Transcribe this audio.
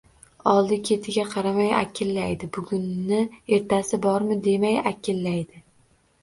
Oldi-ketiga qaramay, akillaydi. Bugunni ertasi bor, demay akillaydi.